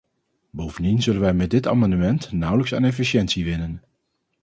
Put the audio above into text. Bovendien zullen wij met dit amendement nauwelijks aan efficiëntie winnen.